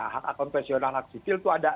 hak konfesional hak sivil itu ada